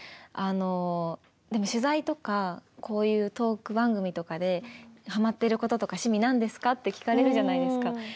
あのでも取材とかこういうトーク番組とかでハマってることとか趣味何ですか？って聞かれるじゃないですか。